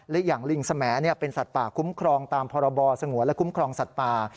และอย่างลิงสมแอเป็นสัตว์ป่าคุ้มครองตามพรบสงวนและคุ้มครองสัตว์ป่า